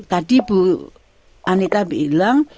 tadi bu anita bilang